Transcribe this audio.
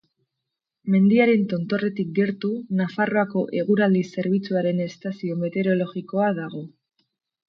Mendiaren tontorretik gertu, Nafarroako eguraldi zerbitzuaren estazio meteorologikoa dago.